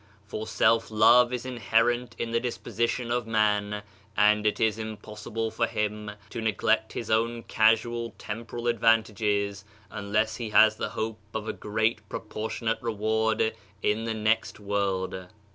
For, self love is inherent in the dis position of man, and it is impossible for him to neglect his own casual temporal advantages unless he has the hope of a great proportionate reward in the next world.